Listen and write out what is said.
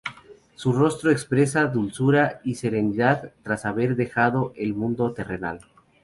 Su rostro expresa dulzura y serenidad tras haber dejado el mundo terrenal.